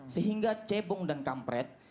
sehingga cebong dan kampret